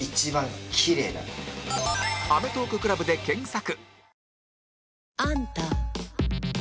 「アメトーーク ＣＬＵＢ」で検索